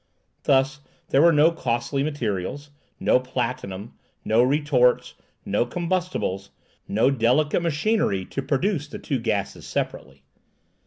Thus there were no costly materials, no platinum, no retorts, no combustibles, no delicate machinery to produce the two gases separately.